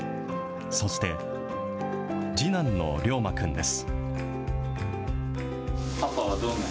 そして、次男の涼眞くんです。